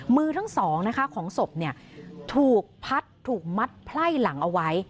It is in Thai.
มือทั้งสองนะคะของศพถูกพัดถูกมัดไพ่หลังเอาไว้